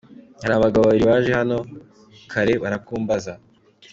Hari abagabo babiri baje hano kare barakumbaza.